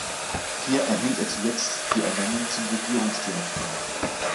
Hier erhielt er zuletzt die Ernennung zum Regierungsdirektor.